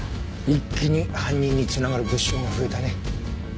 一気に犯人に繋がる物証が増えたね。